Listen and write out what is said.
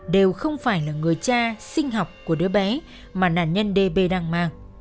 đều không phải là người cha sinh học của đứa bé mà nạn nhân đê bê đang mang